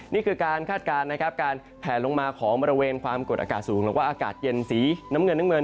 นี่คือการคาดการณ์นะครับการแผลลงมาของบริเวณความกดอากาศสูงหรือว่าอากาศเย็นสีน้ำเงินน้ำเงิน